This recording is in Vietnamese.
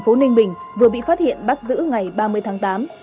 phố ninh bình vừa bị phát hiện bắt giữ ngày ba mươi tháng tám